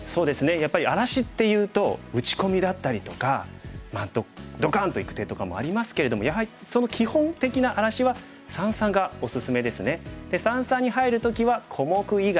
やっぱり荒らしっていうと打ち込みだったりとかドカンといく手とかもありますけれどもやはりそので三々に入る時は小目以外。